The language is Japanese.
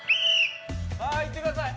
はいいって下さい。